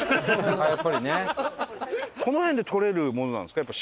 この辺で捕れるものなんですか？